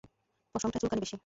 পশমটায় চুলকানি বেশি।